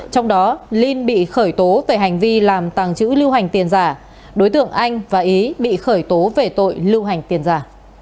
trong đó linh bị khởi tố về hành vi làm tàng trữ lưu hành tiền giả đối tượng anh và ý bị khởi tố về tội lưu hành tiền giả